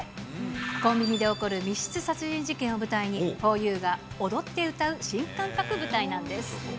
コンビニで起こる密室殺人事件を舞台に、ふぉゆが踊って歌う新感覚舞台なんです。